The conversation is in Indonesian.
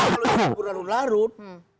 kalau ini berlarut larut